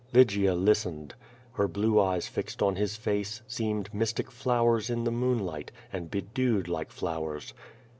Lygia listened. Her blue eyes fixed on his face, seemed mystic flowers in the moonlight, and bedewed like flowers.